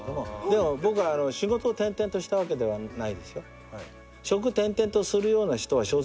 でも僕は仕事を転々としたわけではないですよ。